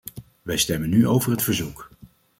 Wij stemmen nu over het verzoek.